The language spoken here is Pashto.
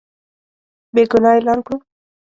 بېګناه اعلان کړو.